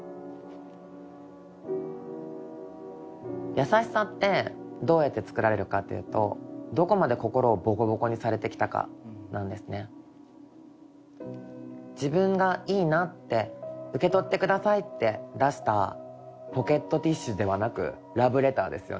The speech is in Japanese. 優しさってどうやってつくられるかっていうと「どこまで心をボコボコにされてきたか」なんですね。自分がいいなって受け取ってくださいって出したポケットティッシュではなくラブレターですよね。